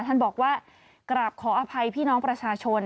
ท่านบอกว่ากราบขออภัยพี่น้องประชาชน